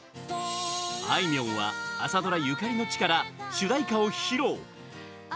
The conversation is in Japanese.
あいみょんは朝ドラゆかりの地から主題歌を披露。